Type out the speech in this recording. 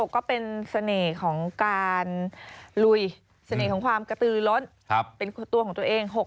ก็เป็นเสน่ห์ของการลุยเสน่ห์ของความกระตือล้นเป็นตัวของตัวเอง